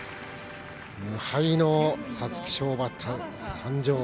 無敗の皐月賞馬誕生。